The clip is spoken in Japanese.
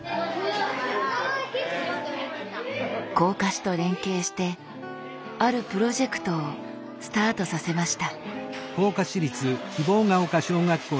甲賀市と連携してあるプロジェクトをスタートさせました。